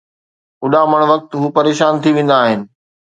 اُڏامڻ وقت هو پريشان ٿي ويندا آهن